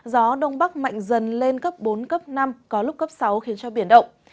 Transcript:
gió đông bắc mạnh dần lên cấp bốn cấp năm có lúc cấp sáu khiến cho biển động